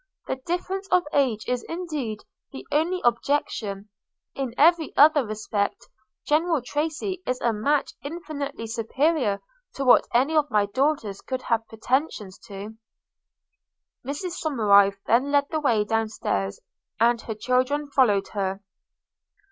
The difference of age is indeed the only objection: in every other respect General Tracy is a match infinitely superior to what any of my daughters could have pretensions to.' Mrs Somerive then led the way down stairs, and her children followed her.